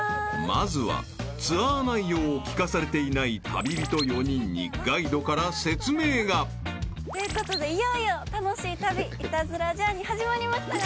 ［まずはツアー内容を聞かされていない旅人４人にガイドから説明が］ということでいよいよ楽しい旅『イタズラ×ジャーニー』始まりましたが。